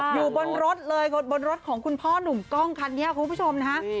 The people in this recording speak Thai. อยู่บนรถเลยบนรถของคุณพ่อหนุ่มกล้องคันนี้คุณผู้ชมนะฮะ